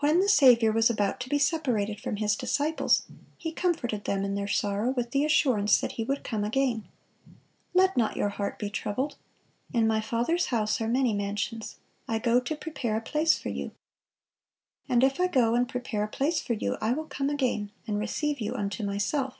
(455) When the Saviour was about to be separated from His disciples, He comforted them in their sorrow with the assurance that He would come again: "Let not your heart be troubled.... In My Father's house are many mansions.... I go to prepare a place for you. And if I go and prepare a place for you, I will come again, and receive you unto Myself."